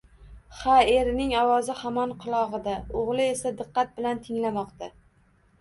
Ha, erining ovozi hamon qulog`ida, o`g`li esa diqqat bilan tinglamoqda